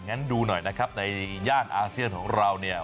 งั้นดูหน่อยนะครับในย่านอาเซียนของเราเนี่ย